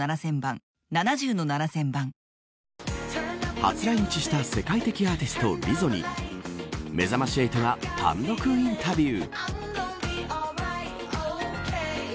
初来日した世界的アーティストＬＩＺＺＯにめざまし８が単独インタビュー。